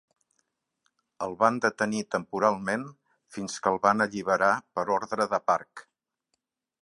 El van detenir temporalment fins que el van alliberar per ordre de Park.